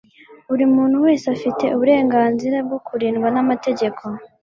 buri muntu wese afite uburenganzira bwo kurindwa n'amategeko